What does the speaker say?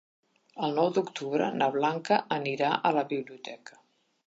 El nou d'octubre na Blanca anirà a la biblioteca.